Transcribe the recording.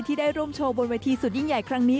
ได้ร่วมโชว์บนเวทีสุดยิ่งใหญ่ครั้งนี้